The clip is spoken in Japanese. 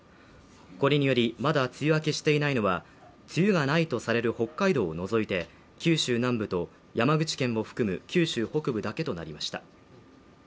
これにより、まだ梅雨明けしていないのは、つゆがないとされる北海道を除いて、九州南部と山口県も含む九州北部だけとなりました。